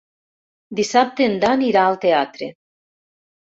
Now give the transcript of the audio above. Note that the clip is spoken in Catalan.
Dissabte en Dan irà al teatre.